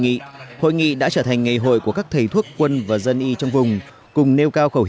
nghị hội nghị đã trở thành ngày hội của các thầy thuốc quân và dân y trong vùng cùng nêu cao khẩu hiệu